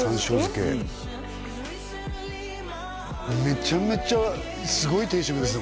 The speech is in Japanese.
うんめちゃめちゃすごい定食ですね